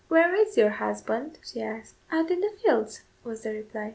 "Where is your husband?" she asked. "Out in the fields," was the reply.